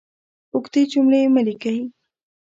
اوږدې جملې مه لیکئ!